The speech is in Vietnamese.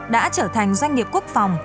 đã trở thành doanh nghiệp quốc phòng